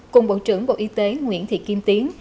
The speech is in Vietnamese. cùng bộ trưởng bộ y tế nguyễn thị kim tiến